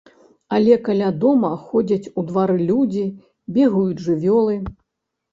Але каля дома ходзяць у двары людзі, бегаюць жывёлы.